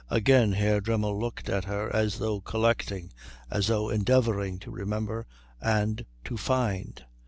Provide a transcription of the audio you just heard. Again Herr Dremmel looked at her as though collecting, as though endeavouring to remember and to find.